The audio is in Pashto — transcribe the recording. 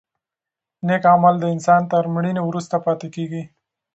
نېک عمل د انسان تر مړینې وروسته پاتې کېږي.